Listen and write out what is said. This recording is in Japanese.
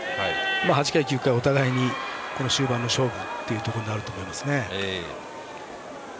８回、９回、お互いに終盤の勝負ということになると思います。